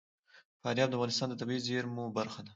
فاریاب د افغانستان د طبیعي زیرمو برخه ده.